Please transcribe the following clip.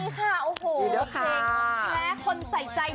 แพ้คนใส่ใจ